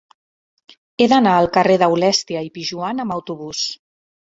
He d'anar al carrer d'Aulèstia i Pijoan amb autobús.